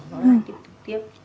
nó lại tiếp tục tiếp